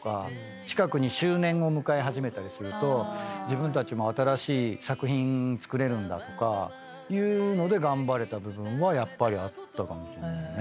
近くに周年を迎え始めたりすると自分たちも。とかいうので頑張れた部分はやっぱりあったかもしんないよね。